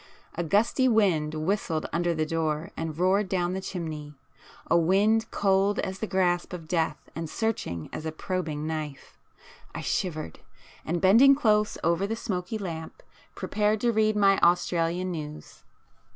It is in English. A gusty wind whistled under the door and roared down the chimney,—a wind cold as the grasp of death and searching as a probing knife. I shivered,—and bending close over the smoky lamp, prepared to read my Australian news.